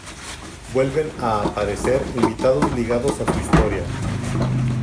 Vuelven a aparecer invitados ligados a su historia.